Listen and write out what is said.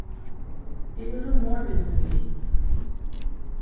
It was a morbid movie.